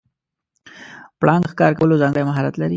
پړانګ د ښکار کولو ځانګړی مهارت لري.